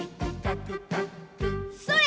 それ！